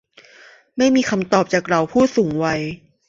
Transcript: ไม่มีคำตอบจากเหล่าผู้สูงวัย